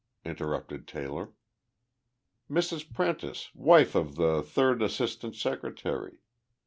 interrupted Taylor. "Mrs. Prentice, wife of th' Third Assistant Secretary.